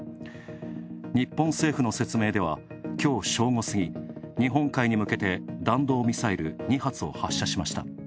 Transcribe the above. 日本政府の説明ではきょう正午過ぎ、日本海に向けて弾道ミサイル、２発を発射しました。